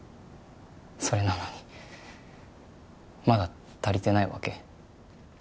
それなのにまだ足りてないわけ？